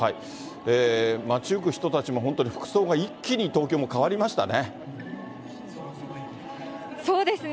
街行く人たちも、本当に服装が一気に、東京も変わりましたね。